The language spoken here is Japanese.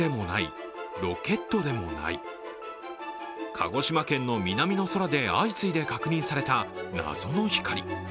鹿児島県の南の空で相次いで確認された謎の光。